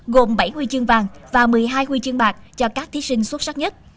gồm bảy huy chương vàng và một mươi hai huy chương bạc cho các thí sinh xuất sắc nhất